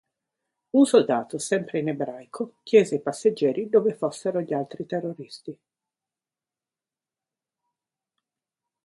Un soldato, sempre in ebraico, chiese ai passeggeri dove fossero gli altri terroristi.